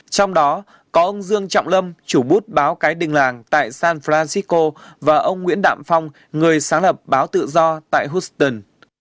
trong đó có ông dương trọng lâm chủ bút báo cái đình làng tại san francisco và ông nguyễn đạm phong người sáng lập báo tự do tại houston